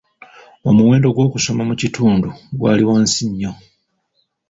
Omuwendo gw'okusoma mu kitundu gwali wansi nnyo.